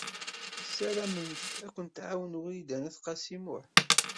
Tessaramemt ad kent-tɛawen Wrida n At Qasi Muḥ.